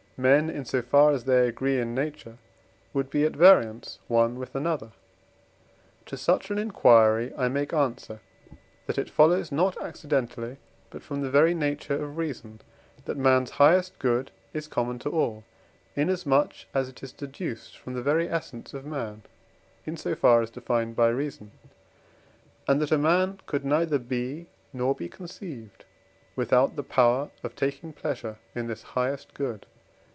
men in so far as they agree in nature, would be at variance one with another? To such an inquiry, I make answer, that it follows not accidentally but from the very nature of reason, that main's highest good is common to all, inasmuch as it is deduced from the very essence of man, in so far as defined by reason; and that a man could neither be, nor be conceived without the power of taking pleasure in this highest good.